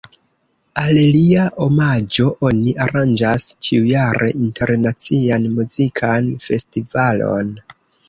Al lia omaĝo oni aranĝas ĉiujare internacian muzikan festivalon.